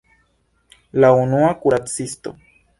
La unua kuracisto!